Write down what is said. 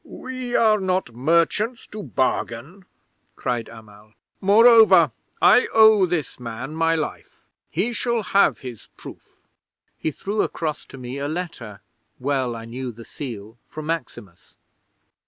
'"We are not merchants to bargain," cried Amal. "Moreover, I owe this man my life. He shall have his proof." He threw across to me a letter (well I knew the seal) from Maximus.